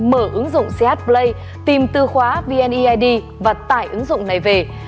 mở ứng dụng ch play tìm tư khóa vnaid và tải ứng dụng này về